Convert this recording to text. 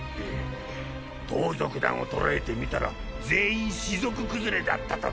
盗賊団を捕らえてみたら全員士族崩れだったとか。